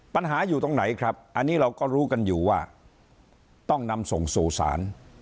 ปัญหาอยู่ตรงไหนครับอันนี้เราก็รู้กันอยู่ว่าต้องนำส่งสู่ศาล